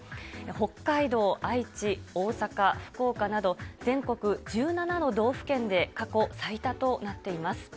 北海道、愛知、大阪、福岡など、全国１７の道府県で過去最多となっています。